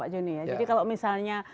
jadi kalau misalnya